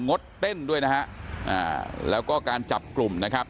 ดเต้นด้วยนะฮะอ่าแล้วก็การจับกลุ่มนะครับ